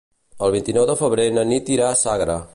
El vint-i-nou de febrer na Nit irà a Sagra.